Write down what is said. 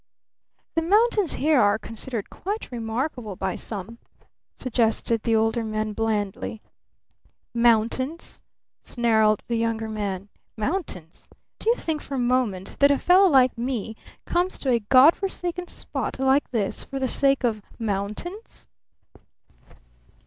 "The mountains here are considered quite remarkable by some," suggested the Older Man blandly. "Mountains?" snarled the Younger Man. "Mountains? Do you think for a moment that a fellow like me comes to a God forsaken spot like this for the sake of mountains?"